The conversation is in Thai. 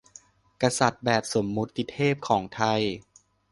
กษัตริย์แบบสมมติเทพของไทย